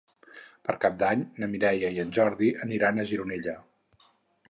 Per Cap d'Any na Mireia i en Jordi aniran a Gironella.